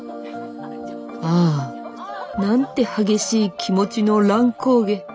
ああなんて激しい気持ちの乱高下。